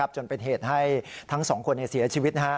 จนเป็นเหตุให้ทั้งสองคนเสียชีวิต